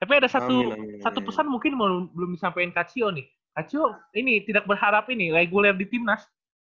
tapi ada satu pesan mungkin belum disampaikan kak cio nih kak cio ini tidak berharap ini reguler di timnas